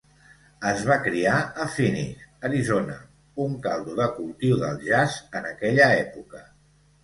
Es va criar a Phoenix, Arizona, un caldo de cultiu del jazz en aquella època.